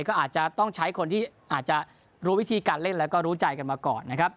ก็อาจจะต้องใช้คนที่อาจจะรู้วิธีการเล่นแล้วก็รู้ใจกันมาก่อนนะครับ